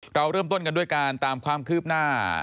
เราเริ่มต้นกันด้วยการตามความคืบหน้า